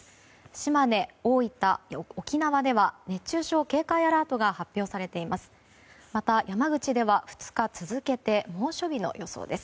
島根、大分、沖縄では熱中症警戒アラートが発表されています。